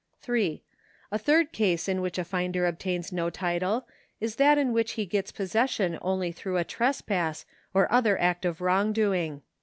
^ 3. A third case in which a finder obtains no title is that in which he gets possession only through a trespass or other act of wrongdoing.